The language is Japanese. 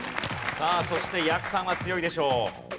さあそしてやくさんは強いでしょう。